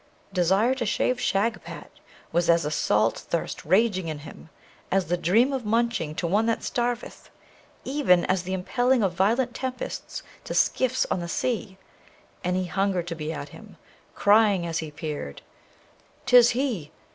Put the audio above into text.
Desire to shave Shagpat was as a salt thirst rageing in him, as the dream of munching to one that starveth; even as the impelling of violent tempests to skiffs on the sea; and he hungered to be at him, crying, as he peered, ''Tis he!